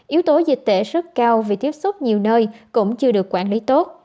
yếu tố dịch tễ rất cao vì tiếp xúc nhiều nơi cũng chưa được quản lý tốt